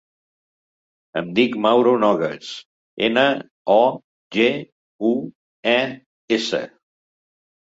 Em dic Mauro Nogues: ena, o, ge, u, e, essa.